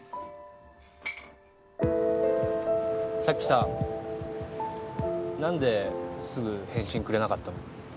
さっきさ何ですぐ返信くれなかったの？